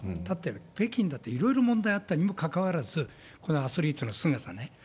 だって、北京だっていろいろ問題あったにもかかわらず、このアスリートの姿ね。